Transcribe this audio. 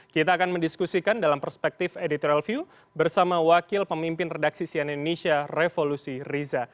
kita akan mendiskusikan dalam perspektif editorial view bersama wakil pemimpin redaksi sian indonesia revolusi riza